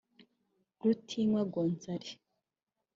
Rutinywa Gonzalez